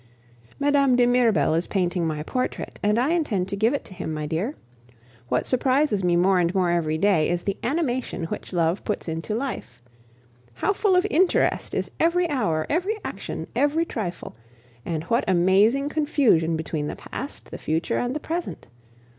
Mme. de Mirbel is painting my portrait, and I intend to give it to him, my dear. What surprises me more and more every day is the animation which love puts into life. How full of interest is every hour, every action, every trifle! and what amazing confusion between the past, the future, and the present!